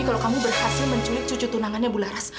kalau kamu berhasil menculik cucu tunangannya bularas